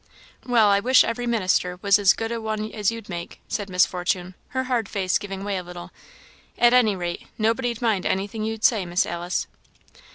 "Well, I wish every minister was as good a one as you'd make," said Miss Fortune, her hard face giving way a little; "at any rate, nobody'd mind anything you'd say, Miss Alice."